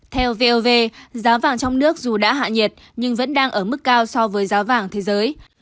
theo vov giá vàng trong nước dù đã hạ nhiệt nhưng vẫn đang ở mức cao so với giá vàng thế giới